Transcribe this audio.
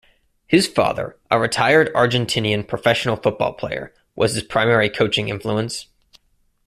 His father, a retired Argentinian professional football player, was his primary coaching influence.